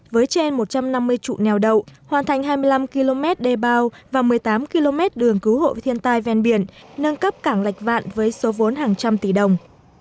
với trên một trăm năm mươi trụ neo đậu hoàn thành hai mươi năm km đê bao và một mươi tám km đường cứu hộ thiên tai ven biển nâng cấp cảng lạch vạn với số vốn hàng trăm tỷ đồng